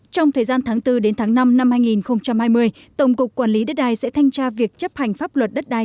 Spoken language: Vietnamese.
trong thời gian tháng bốn đến tháng năm năm hai nghìn hai mươi tổng cục quản lý đất đai sẽ thanh tra việc chấp hành pháp luật đất đai